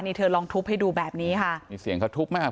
นี่เธอลองทุบให้ดูแบบนี้ค่ะมีเสียงเขาทุบมาก